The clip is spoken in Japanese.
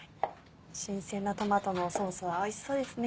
新鮮なトマトのソースはおいしそうですね。